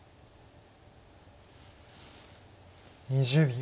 ２０秒。